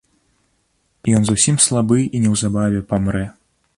Ён зусім слабы і неўзабаве памрэ.